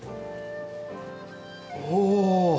おお！